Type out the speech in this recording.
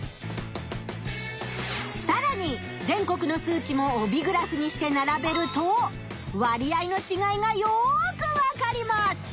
さらに全国の数値も帯グラフにしてならべると割合のちがいがよくわかります！